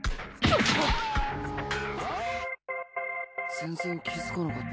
全然気付かなかった。